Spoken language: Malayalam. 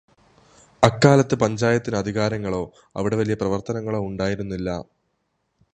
അക്കാലത്ത് പഞ്ചായത്തിനു അധികാരങ്ങളോ അവിടെ വലിയ പ്രവർത്തതനങ്ങളോ ഉണ്ടായിരുന്നില്ല.